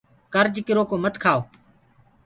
ڪرج ڪرو ڪو مت کآئو